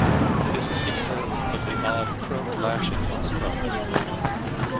This was because of the odd chromed "lashes" on the front.